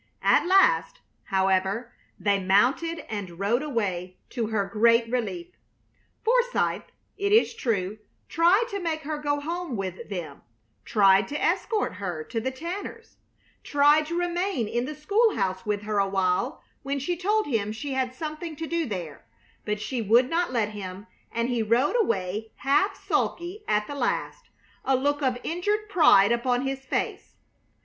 At last, however, they mounted and rode away, to her great relief. Forsythe, it is true, tried to make her go home with them; tried to escort her to the Tanners'; tried to remain in the school house with her awhile when she told him she had something to do there; but she would not let him, and he rode away half sulky at the last, a look of injured pride upon his face.